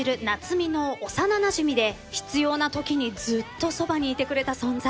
海の幼なじみで必要なときにずっとそばにいてくれた存在。